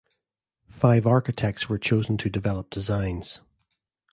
Five architects were chosen to develop designs.